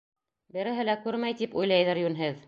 Береһе лә күрмәй, тип уйлайҙыр, йүнһеҙ.